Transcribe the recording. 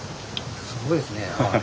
すごいですね。